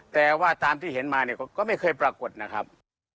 แต่ว่าตามที่เห็นมาเนี่ยก็ไม่เคยปรากฏนะครับ